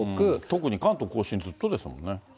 特に関東甲信、ずっとですもんね。